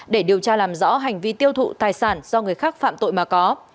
để điều tra làm rõ hành vi tiêu thụ tài sản do người khác phạm tội mà có